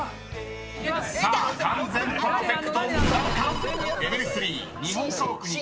［さあ完全パーフェクトなるか］